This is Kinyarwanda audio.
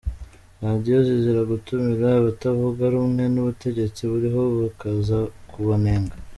Radiyo zizira gutumira abatavuga rumwe n’ubutegetsi buriho, bakaza kubunenga.